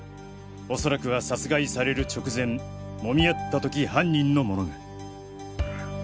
恐らくは殺害される直前揉み合った時犯人のものが。